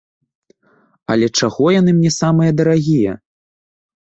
Але чаго яны мне самыя дарагія?